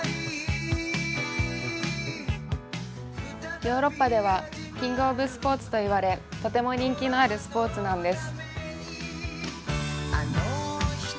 ヨーロッパではキングオブスポーツといわれ、とても人気のあるスポーツなんです。